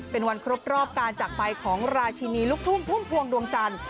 เป็นวันครบรอบการจากไปของราชินีลูกทุ่งพุ่มพวงดวงจันทร์